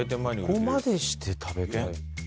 そこまでして食べたい。